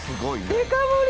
デカ盛り！